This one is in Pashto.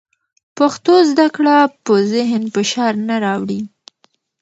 پښتو زده کړه په ذهن فشار نه راوړي.